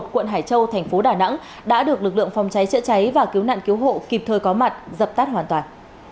quận hải châu thành phố đà nẵng đã được lực lượng phòng cháy chữa cháy và cứu nạn cứu hộ kịp thời có mặt dập tắt hoàn toàn